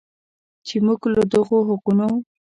چې موږ له دغو حقونو